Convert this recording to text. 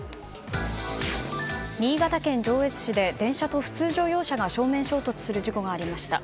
新潟県上越市で電車と普通乗用車が正面衝突する事故がありました。